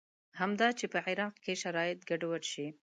همدا چې په عراق کې شرایط ګډوډ شي.